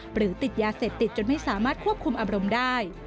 หรือติดยาเสพติดจนไม่สามารถควบคุมอารมณ์ได้